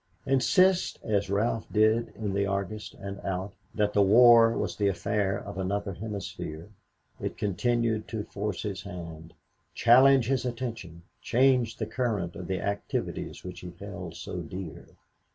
Insist as Ralph did in the Argus and out that the war was the affair of another hemisphere, it continued to force his hand, challenge his attention, change the current of the activities which he held so dear.